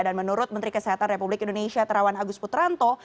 dan menurut menteri kesehatan republik indonesia terawan agus putranto